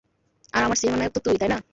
আর আমার সিনেমার নায়ক তো তুই, তাই না?